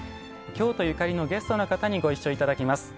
京都ゆかりのゲストの方にご一緒いただきます。